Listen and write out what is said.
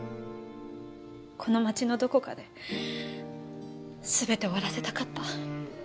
この街のどこかで全て終わらせたかった。